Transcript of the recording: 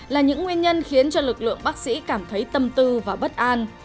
là những nguyên nhân khiến cho lực lượng bác sĩ cảm thấy tâm tư và bất an